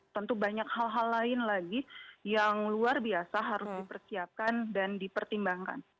tentu banyak hal hal lain lagi yang luar biasa harus dipersiapkan dan dipertimbangkan